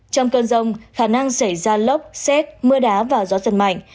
trong cơn rông khả năng xảy ra lốc xét mưa đá và gió giật mạnh